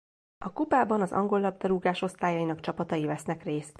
A kupában az angol labdarúgás osztályainak csapatai vesznek részt.